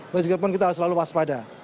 meskipun kita harus selalu waspada